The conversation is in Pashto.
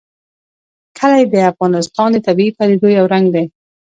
کلي د افغانستان د طبیعي پدیدو یو رنګ دی.